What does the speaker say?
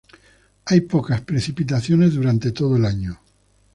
Hay pocas precipitaciones durante todo el año.